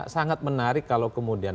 sangat menarik kalau kemudian